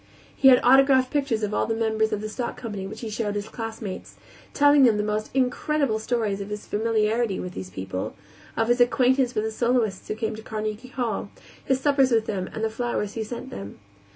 He had autographed pictures of all the members of the stock company which he showed his classmates, telling them the most incredible stories of his familiarity with these people, of his acquaintance with the soloists who came to Carnegie Hall, his suppers with them and the flowers he sent them.